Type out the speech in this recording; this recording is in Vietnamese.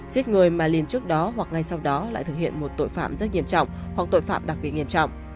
giết người mà liền trước đó hoặc ngay sau đó lại thực hiện một tội phạm rất nghiêm trọng